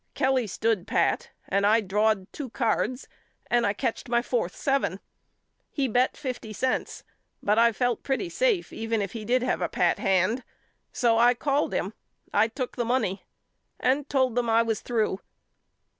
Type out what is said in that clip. Kelly stood pat and I drawed two cards. And I catched my fourth seven. He bet fifty cents but I felt pretty safe even if he did have a pat hand. So I called him. I took the money and told them I was through.